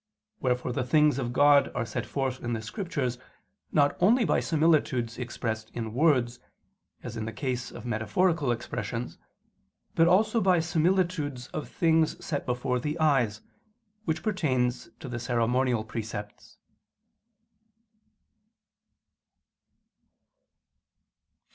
Wherefore the things of God are set forth in the Scriptures not only by similitudes expressed in words, as in the case of metaphorical expressions; but also by similitudes of things set before the eyes, which pertains to the ceremonial precepts.